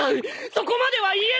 そこまでは言えない！